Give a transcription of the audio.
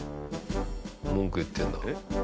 文句言ってるんだ。